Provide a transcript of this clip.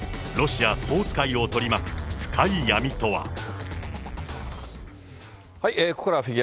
ロシアスポーツ界を取り巻く深い闇とは。